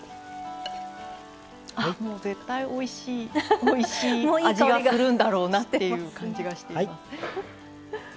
おいしい味がするんだろうなっていう感じがしています。